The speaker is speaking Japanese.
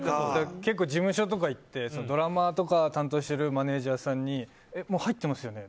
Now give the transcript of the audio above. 結構、事務所とか行ってドラマとか担当してるマネジャーさんにもう入っていますよね？